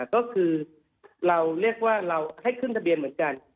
ก็คือเราเรียกว่าเราให้ขึ้นทะเบียนเหมือนกัน